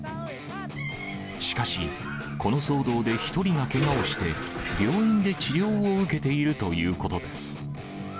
しかし、この騒動で１人がけがをして、病院で治療を受けているということです。